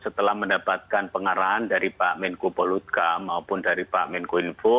setelah mendapatkan pengarahan dari pak menko polutka maupun dari pak menko info